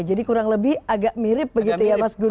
jadi kurang lebih agak mirip begitu ya mas gurgun